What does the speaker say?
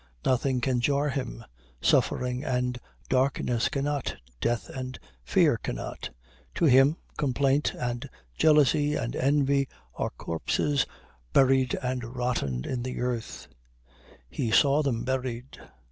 Nothing can jar him suffering and darkness cannot death and fear cannot. To him complaint and jealousy and envy are corpses buried and rotten in the earth he saw them buried.